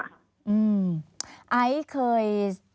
อายเคย